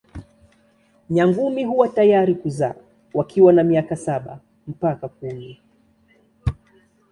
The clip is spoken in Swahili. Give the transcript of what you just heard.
Nyangumi huwa tayari kuzaa wakiwa na miaka saba mpaka kumi.